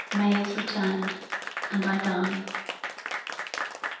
May is returned, and I die.